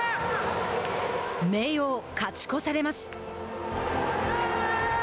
明桜、勝ち越されます。